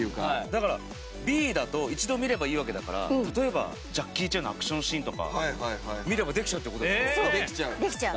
だからＢだと一度見ればいいわけだから例えばジャッキー・チェンのアクションシーンとか見ればできちゃうって事でしょ？